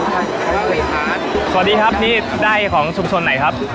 สวัสดีครับนี่ได้ของชุมชนไหนครับ